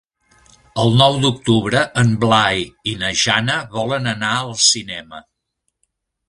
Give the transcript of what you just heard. El nou d'octubre en Blai i na Jana volen anar al cinema.